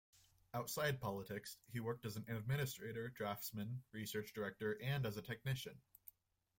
Outside politics he worked as an administrator, draftsman, research director, and as a technician.